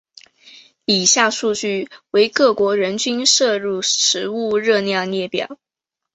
以下数据为各国人均摄入食物热量列表。